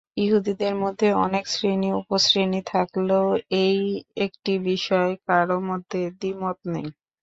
ইহুদিদের মধ্যে অনেক শ্রেণী-উপশ্রেণী থাকলেও এই একটি বিষয়ে কারও মধ্যে দ্বিমত নেই।